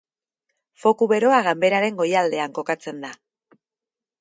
Foku beroa ganberaren goialdean kokatzen da.